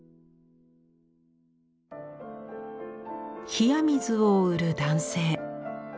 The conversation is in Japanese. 冷水を売る男性。